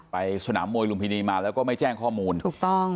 ไปสนามมวยลุมพินีมาแล้วก็ไม่แจ้งข้อมูลถูกต้อง